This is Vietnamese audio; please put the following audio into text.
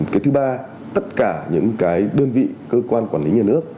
cái thứ ba tất cả những cái đơn vị cơ quan quản lý nhà nước